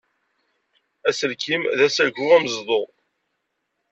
Aselkim d asagu ameẓdu.